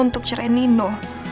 untuk cerai nino